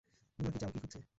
তোমরা কী চাও এবং কী খুঁজছে?